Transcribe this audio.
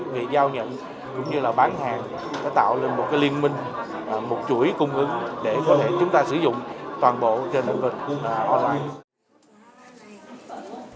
về giao nhận cũng như là bán hàng để tạo lên một cái liên minh một chuỗi cung ứng để có thể chúng ta sử dụng toàn bộ trên thị trường online